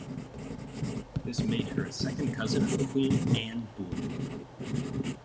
This made her a second cousin of Queen Anne Boleyn.